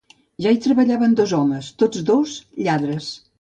Ja hi treballaven dos homes, tots dos lladres.